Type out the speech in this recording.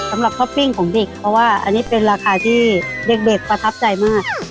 ท็อปปิ้งของเด็กเพราะว่าอันนี้เป็นราคาที่เด็กประทับใจมาก